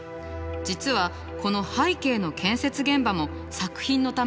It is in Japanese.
実はこの背景の建設現場も作品のために作ったの。